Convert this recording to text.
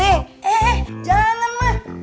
eh jangan mah